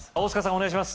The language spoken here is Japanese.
お願いします